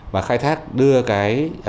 và khai thác đưa cái